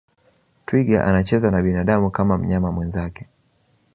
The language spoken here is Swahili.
twiga anacheza na binadamu kama mnyama mwenzake